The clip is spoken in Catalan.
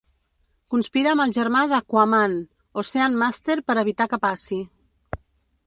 Conspira amb el germà d'Aquaman, Ocean Master per evitar que passi.